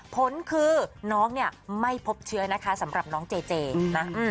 ผลคือน้องเนี่ยไม่พบเชื้อนะคะสำหรับน้องเจเจนะ